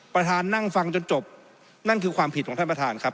ประธานนั่งฟังจนจบนั่นคือความผิดของท่านประธานครับ